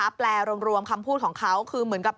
แปลรวมคำพูดของเขาคือเหมือนกับ